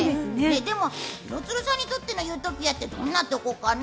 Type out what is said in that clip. でも、廣津留さんにとってのユートピアってどんなところかな？